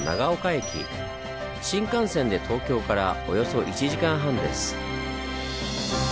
新幹線で東京からおよそ１時間半です。